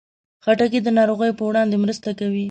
خټکی د ناروغیو پر وړاندې مرسته کوي.